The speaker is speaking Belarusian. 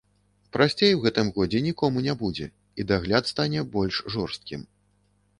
Прасцей у гэтым годзе нікому не будзе, і дагляд стане больш жорсткім.